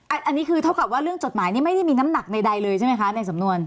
อันนี้คือเท่ากับว่าเรื่องจดหมายนี้ไม่ได้มีน้ำหนักใดเลยใช่ไหมคะในสำนวน